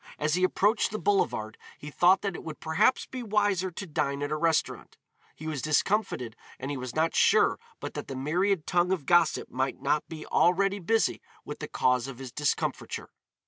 As he approached the boulevard he thought that it would perhaps be wiser to dine at a restaurant; he was discomfited and he was not sure but that the myriad tongue of gossip might not be already busy with the cause of his discomfiture.